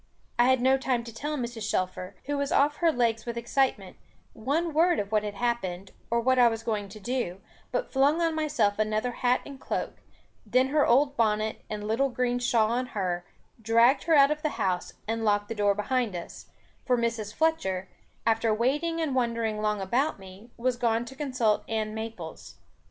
I had no time to tell Mrs. Shelfer, who was off her legs with excitement, one word of what had happened, or what I was going to do; but flung on myself another hat and cloak, then her old bonnet and little green shawl on her, dragged her out of the house, and locked the door behind us; for Mrs. Fletcher, after waiting and wondering long about me, was gone to consult Ann Maples.